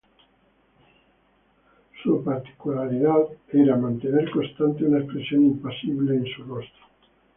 Su particularidad era mantener constante una expresión impasible en su rostro.